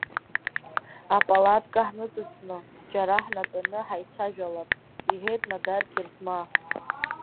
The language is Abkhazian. Апалатка ҳныҵыҵны, џьара ҳнатәаны ҳаицәажәалап, — иҳәеит Нодар Гьерзмаа.